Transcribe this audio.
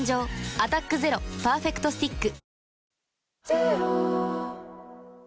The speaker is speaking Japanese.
「アタックＺＥＲＯパーフェクトスティック」